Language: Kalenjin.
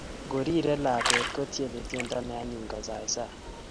Ngorirei lakwet, kotiemei tiendo ne anyiny kosaisai